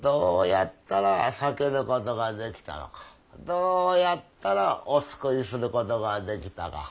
どうやったらお救いすることができたか。